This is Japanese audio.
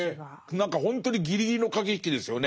何かほんとにギリギリの駆け引きですよね。